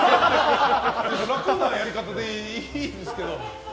楽なやり方でいいんですけど。